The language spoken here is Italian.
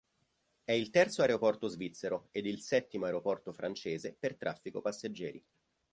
È il terzo aeroporto svizzero ed il settimo aeroporto francese per traffico passeggeri.